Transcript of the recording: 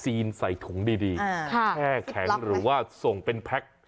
ใส่ถุงดีแช่แข็งหรือว่าส่งเป็นแพ็ค